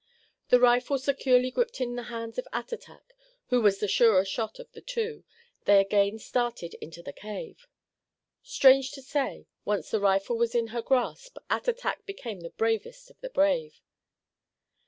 The rifle securely gripped in the hands of Attatak, who was the surer shot of the two, they again started into the cave. Strange to say, once the rifle was in her grasp, Attatak became the bravest of the brave.